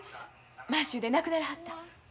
満州で亡くならはった。